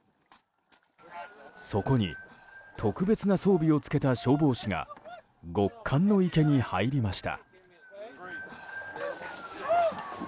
そこに特別な装備を付けた消防士が極寒の池に入りました。